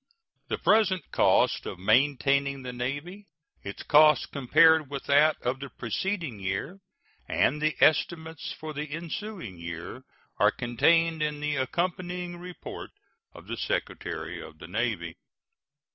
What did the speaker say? The present cost of maintaining the Navy, its cost compared with that of the preceding year, and the estimates for the ensuing year are contained in the accompanying report of the Secretary of the Navy.